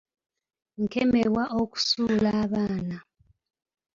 Nkemebwa okusuula abaana.